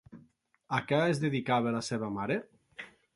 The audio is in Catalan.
A què es dedicava la seva mare?